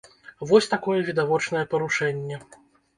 Вось такое відавочнае парушэнне.